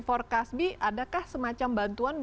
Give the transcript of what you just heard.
forkaz b adakah semacam bantuan